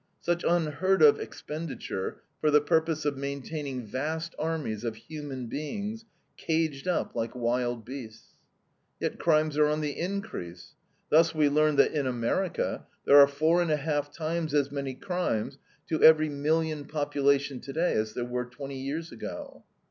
Such unheard of expenditure for the purpose of maintaining vast armies of human beings caged up like wild beasts! Yet crimes are on the increase. Thus we learn that in America there are four and a half times as many crimes to every million population today as there were twenty years ago.